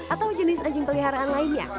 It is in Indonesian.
atau jenis anjing peliharaan lainnya